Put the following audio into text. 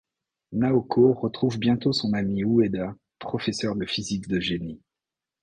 Naoko retrouve bientôt son ami Ueda, professeur de physique de génie.